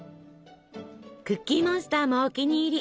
クッキーモンスターもお気に入り！